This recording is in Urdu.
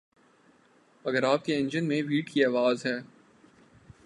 اگر آپ کے انجن میں ویٹ کی آواز ہے